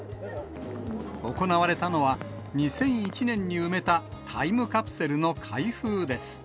行われたのは、２００１年に埋めたタイムカプセルの開封です。